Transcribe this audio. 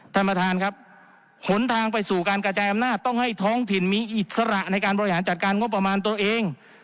ท่านประธานครับหนทางไปสู่การกระจายอำนาจต้องให้ท้องถิ่นมีอิสระในการบริหารจัดการงบประมาณตัวเอง